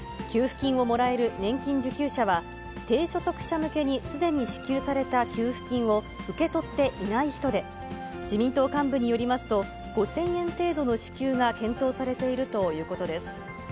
給付金をもらえる年金受給者は、低所得者向けにすでに支給された給付金を受け取っていない人で、自民党幹部によりますと、５０００円程度の支給が検討されているということです。